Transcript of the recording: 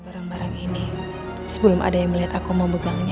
barang barang ini sebelum ada yang melihat aku memegangnya